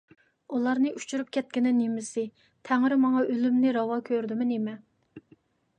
ئۇلارنى ئۇچۇرۇپ كەتكىنى نېمىسى؟ تەڭرى ماڭا ئۆلۈمنى راۋا كۆردىمۇ نېمە؟